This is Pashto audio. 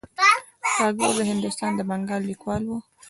ټاګور د هندوستان د بنګال لیکوال و.